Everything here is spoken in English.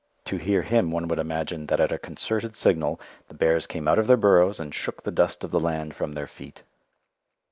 To hear him one would imagine that at a concerted signal the bears came out of their burrows and shook the dust of the land from their feet.